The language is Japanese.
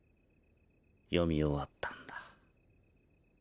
読み終わったんだ。